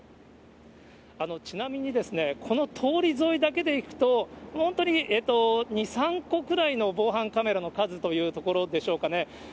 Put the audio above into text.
ちなみに、この通り沿いだけでいくと、本当に２、３個くらいの防犯カメラの数というところでしょうかね。